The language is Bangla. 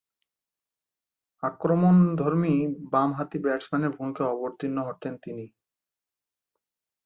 আক্রমণধর্মী বামহাতি ব্যাটসম্যানের ভূমিকায় অবতীর্ণ হতেন তিনি।